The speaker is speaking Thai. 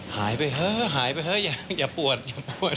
หายไปเถอะหายไปเถอะยังอย่าปวดอย่าปวด